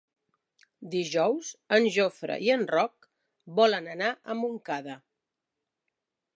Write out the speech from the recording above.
Dijous en Jofre i en Roc volen anar a Montcada.